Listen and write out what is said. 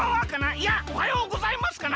いやおはようございますかな。